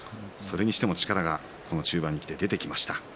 それにしても力が中盤にきて出てきました。